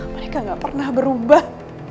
mereka gak pernah berubah